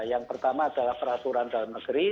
yang pertama adalah peraturan dalam negeri